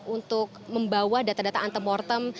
untuk membawa data data antemortem